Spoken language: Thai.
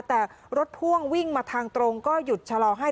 แต่รถพ่วงวิ่งมาทางตรงก็หยุดชะลอให้